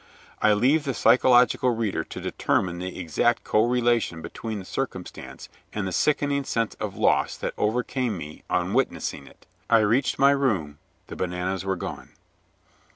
I leave the psychological reader to determine the exact co relation between the circumstance and the sickening sense of loss that overcame me on witnessing it. I reached my room the bananas were gone.